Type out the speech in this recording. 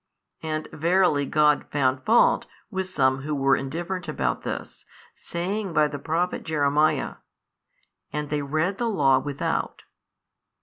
And verily God found fault with some who were indifferent about this, saying by the Prophet Jeremiah, And they read the Law without.